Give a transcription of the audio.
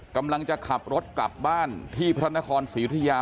กำลังจะขับรถกลับบ้านที่พระราชนครศิริยา